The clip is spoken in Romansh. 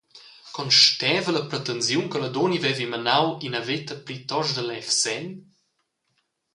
Consteva la pretensiun che la dunna vevi menau ina veta plitost da levsenn?